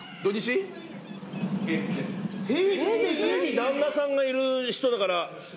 平日で家に旦那さんがいる人だから。